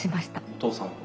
お父さんと？